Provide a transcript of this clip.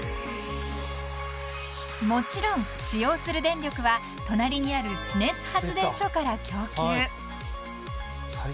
［もちろん使用する電力は隣にある地熱発電所から供給］